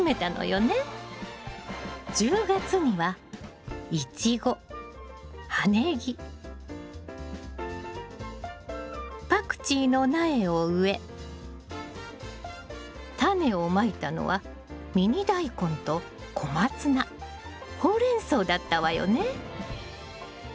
１０月にはイチゴ葉ネギパクチーの苗を植えタネをまいたのはミニダイコンとコマツナホウレンソウだったわよね。